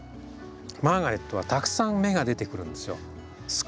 マーガレットはたくさん芽が出てくるんですよ。